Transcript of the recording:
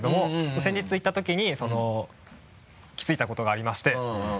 先日行った時に気づいたことがありまして。